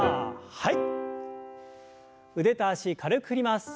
はい。